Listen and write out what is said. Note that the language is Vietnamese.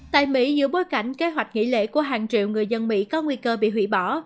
tại mỹ giữa bối cảnh kế hoạch nghỉ lễ của hàng triệu người dân mỹ có nguy cơ bị hủy bỏ